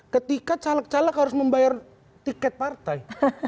ketika caleg caleg harus membayar tiket partai